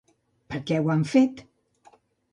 Per què ho han fet?